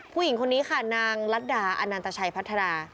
ผู้หญิงคนนี้ค่ะนางรัฐดาอนันตชัยพัฒนา